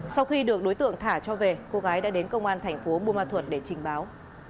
sau khi được đối tượng thả cho về cô gái đã đến công an thành phố bùa ma thuật để trình báo